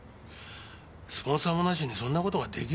スポンサーもなしにそんな事ができるんですかね？